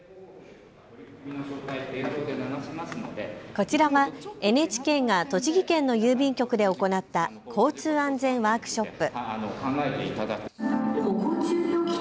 こちらはＮＨＫが栃木県の郵便局で行った交通安全ワークショップ。